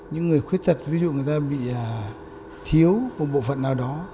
những người khuyết tật ví dụ người ta bị thiếu một bộ phận nào đó